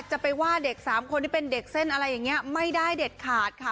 จะไปว่าเด็ก๓คนที่เป็นเด็กเส้นอะไรอย่างนี้ไม่ได้เด็ดขาดค่ะ